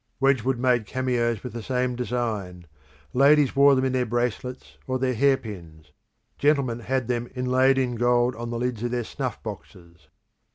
Wedgwood made cameos with the same design; ladies wore them in their bracelets or their hair pins; gentlemen had them inlaid in gold on the lids of their snuff boxes.